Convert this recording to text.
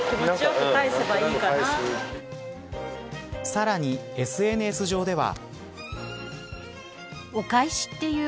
さらにＳＮＳ上では。